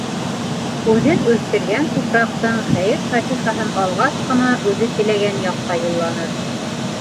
Үҙен үҫтергән тупраҡтың хәйер-фатихаһын алғас ҡына үҙе теләгән яҡҡа юлланыр...